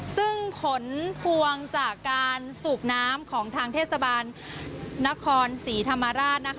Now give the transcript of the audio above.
ซึ่งผลพวงจากการสูบน้ำของทางเทศบาลนครศรีธรรมราช